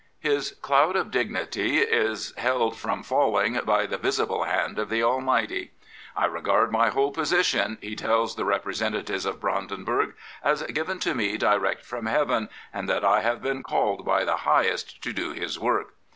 His " cloud of dignity is held from falling " by the visible hand of the Almighty. I regard my whole position," he tells the repre sentatives of Brandenburg, " as given to me direct from Heaven and that I have been called by the Highest to do His work."